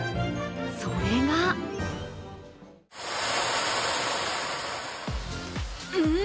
それがん？